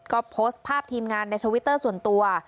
ก็โพสต์ภาพทีมงานในทวิตเตอร์ส่วนตัว